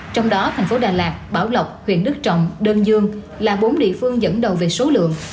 trong đó thành phố đà lạt bảo lộc huyện đức trọng đơn dương là bốn địa phương dẫn đầu về số lượng